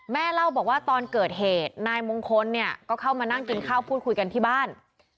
เล่าบอกว่าตอนเกิดเหตุนายมงคลเนี่ยก็เข้ามานั่งกินข้าวพูดคุยกันที่บ้าน